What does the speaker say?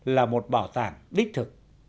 là một bảo tàng đích thực